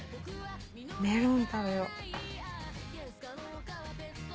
メロン食べよう。